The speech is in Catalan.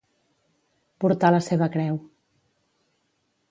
Portar la seva creu.